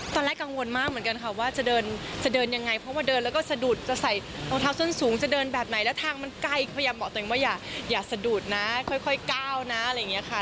ตอนแรกกังวลมากเหมือนกันค่ะว่าจะเดินจะเดินยังไงเพราะว่าเดินแล้วก็สะดุดจะใส่รองเท้าส้นสูงจะเดินแบบไหนแล้วทางมันใกล้พยายามบอกตัวเองว่าอย่าสะดุดนะค่อยก้าวนะอะไรอย่างนี้ค่ะ